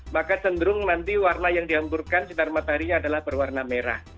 maka cenderung nanti warna yang dihamburkan sinar mataharinya adalah berwarna merah